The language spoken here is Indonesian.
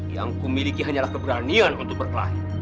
yang kumiliki hanyalah keberanian untuk berkelahi